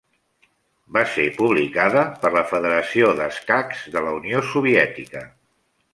Va ser publicada per la Federació d'Escacs de la Unió Soviètica.